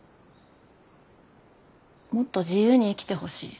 もっと自由に生きてほしい。